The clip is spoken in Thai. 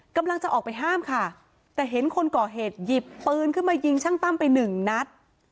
กำลังจะออกไปห้ามค่ะแต่เห็นคนก่อเหตุหยิบปืนขึ้นมายิงช่างตั้มไปหนึ่งนัด